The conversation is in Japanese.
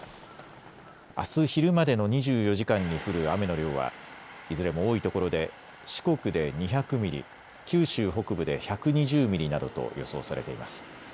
あす昼までの２４時間に降る雨の量はいずれも多い所で四国で２００ミリ、九州北部で１２０ミリなどと予想されています。